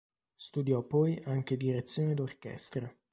Studiò poi anche direzione d'orchestra.